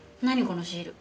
このシール。